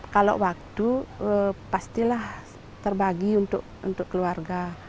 kalau waktu pastilah terbagi untuk keluarga